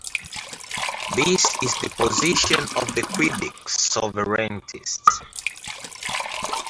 This is the position of the Quebec sovereigntists.